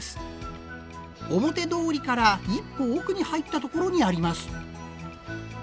表通りから一歩奥に入ったところにあります。